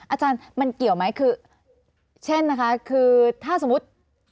อาจารย์มันเกี่ยวไหมคือเช่นนะคะคือถ้าสมมุติ